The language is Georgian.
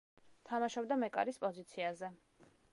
თამაშობდა მეკარის პოზიციაზე.